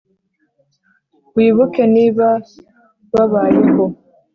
wibuke niba wabayeho,